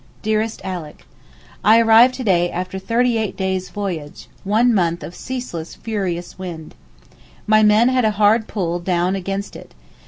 DEAREST ALICK, I arrived to day, after thirty eight days' voyage, one month of ceaseless furious wind. My poor men had a hard pull down against it.